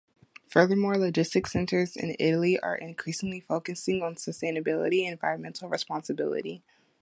Furthermore, logistics centers in Italy are increasingly focusing on sustainability and environmental responsibility.